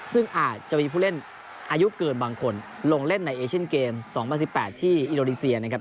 ซึ่งอาจจะมีผู้เล่นอายุเกินบางคนลงเล่นในเอเชียนเกม๒๐๑๘ที่อินโดนีเซียนะครับ